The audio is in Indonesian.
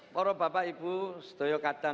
para bapak ibu setelah kadang